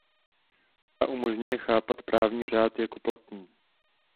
Ta umožňuje chápat právní řád jako platný.